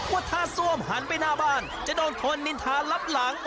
ว่าถ้าซ่วมหันไปหน้าบ้านจะโดนคนนินทารับหลัง